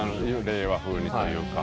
令和風にというか。